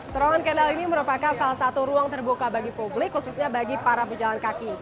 terowongan kendal ini merupakan salah satu ruang terbuka bagi publik khususnya bagi para pejalan kaki